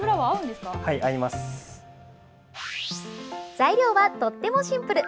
材料はとってもシンプル。